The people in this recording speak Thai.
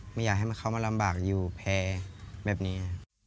ไม่อยากให้เขามาลำบากอยู่แพ้แบบนี้